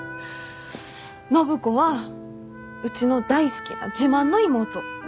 暢子はうちの大好きな自慢の妹。